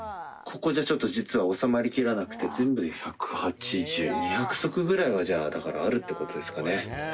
ここじゃちょっと実は収まりきらなくて全部で１８０、２００足ぐらいはじゃあ、あるってことですかね。